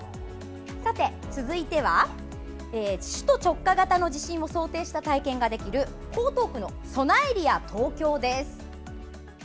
続いては、首都直下型の地震を想定した体験ができる江東区の、そなエリア東京です。